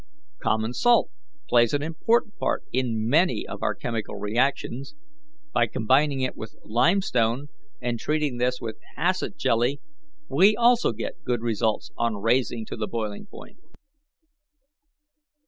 "Common salt plays an important part in many of our chemical reactions. By combining it with limestone, and treating this with acid jelly, we also get good results on raising to the boiling point.